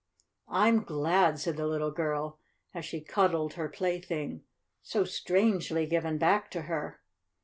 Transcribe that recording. "I'm glad," said the little girl, as she cuddled her plaything, so strangely given back to her.